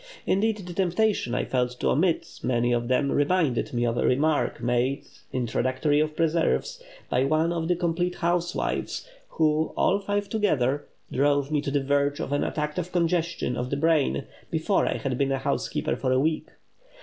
Indeed, the temptation I felt to omit many of them reminded me of a remark made, introductory of preserves, by one of the "Complete Housewives," who, all five together, drove me to the verge of an attack of congestion of the brain, before I had been a housekeeper for a week.